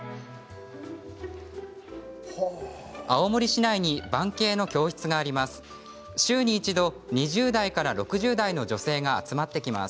青森市内に盤景の教室があります。